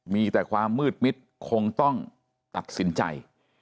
มีแต่ความมืดมิดคงต้องตัดสินใจ